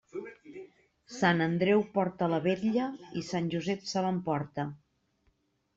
Sant Andreu porta la vetlla i Sant Josep se l'emporta.